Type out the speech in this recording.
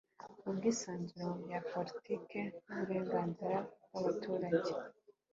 Ubwisanzure mu bya politike n’uburenganzira bw’abaturage